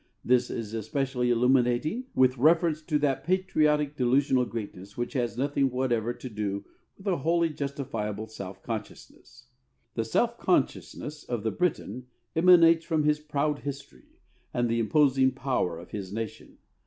This is especially illuminating with reference to that patriotic delusional greatness which has nothing whatever to do with a wholly justifiable self consciousness. The self consciousness of the Briton emanates from his proud history and the imposing power of his nation.